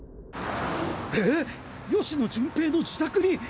えっ⁉吉野順平の自宅に？